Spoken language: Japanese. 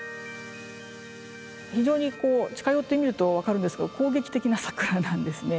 非常にこう近寄ってみると分かるんですけど攻撃的な桜なんですね。